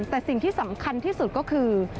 แต่สิ่งที่สำคัญที่สุดก็คือ